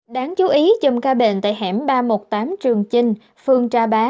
đáng chú ý chùm ca bệnh tại hẻm ba trăm một mươi tám trường chinh phường tra bá